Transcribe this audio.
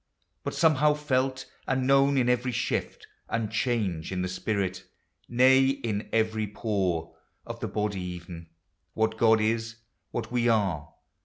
But somehow felt and known in every shift And change in the spirit, — nay, in every pore Of the body, even,) — what God is, what we are.